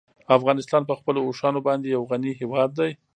افغانستان په خپلو اوښانو باندې یو غني هېواد دی.